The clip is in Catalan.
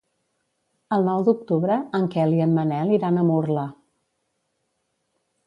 El nou d'octubre en Quel i en Manel iran a Murla.